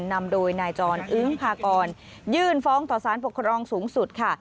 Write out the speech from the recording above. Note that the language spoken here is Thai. นำโดยนายจรอึ้งพากรยื่นฟ้องต่อสารปกครองสูงสุดค่ะ